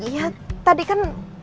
iya tadi kan